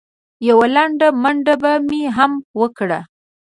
یوه لنډه منډه به مې هم وکړه.